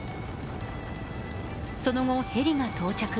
その後、ヘリが到着。